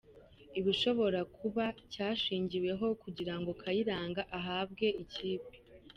Ibishobora kuba cyashingiweho kugira ngo Kayiranga ahabwe ikipe:.